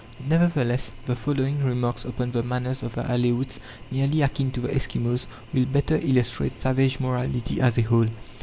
Nevertheless the following remarks upon the manners of the Aleoutes nearly akin to the Eskimos will better illustrate savage morality as a whole.